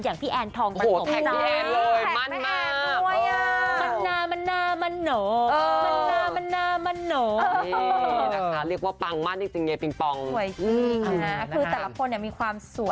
อย่างพี่แอนร์ทองมันะหมด